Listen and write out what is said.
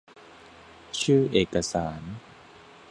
ชื่อเอกสาร